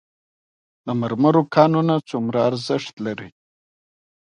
د مرمرو کانونه څومره ارزښت لري؟